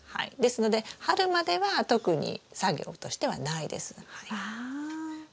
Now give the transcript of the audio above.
ですので春までは特に作業としてはないです。